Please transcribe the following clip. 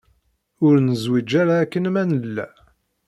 Ur nezwiǧ ara akken ma nella.